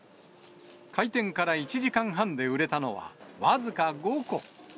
開店から１時間半で売れたのは、僅か５個。